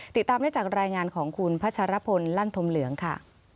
ติดตามได้จากรายงานของคุณพัชรพลลั่นธมเหลืองค่ะ